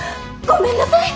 ごめんなさい。